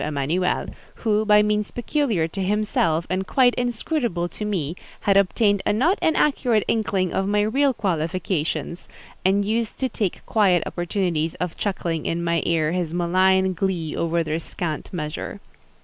Emanuel, who, by means peculiar to himself, and quite inscrutable to me, had obtained a not inaccurate inkling of my real qualifications, and used to take quiet opportunities of chuckling in my ear his malign glee over their scant measure.